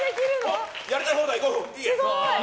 やりたい放題５分。